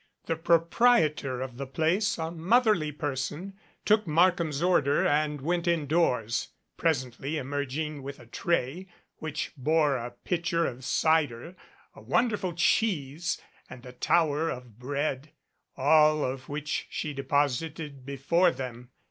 The proprietor of the place, a motherly person, took Markham's order and went indoors, presently emerging with a tray which bore a pitcher of cider, a wonderful cheese and a tower of bread, all of which she deposited before them.